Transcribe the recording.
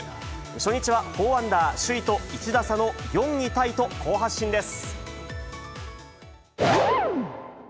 初日は４アンダー、首位と１打差の４位タイと好発進です。